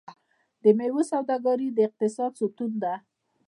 د میوو سوداګري د اقتصاد ستون ده.